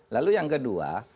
lalu yang kedua